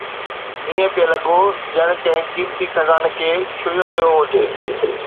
ائين پئي لڳو ڄڻ ڪنهن قيمتي خزاني کي ڇهيو ويو هجي